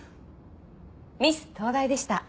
ミス東大でした。